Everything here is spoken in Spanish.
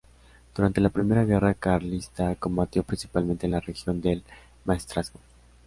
Durante la primera guerra carlista combatió principalmente en la región del Maestrazgo.